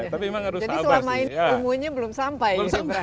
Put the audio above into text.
jadi selama umurnya belum sampai